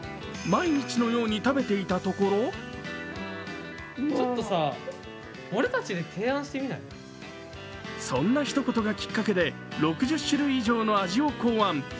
毎日のように食べていたところそんなひと言がきっかけで６０種類以上の味を考案。